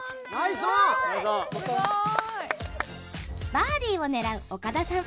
バーディーを狙う岡田さん。